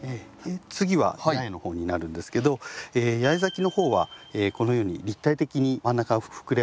次は八重の方になるんですけど八重咲きの方はこのように立体的に真ん中が膨れ上がってるので。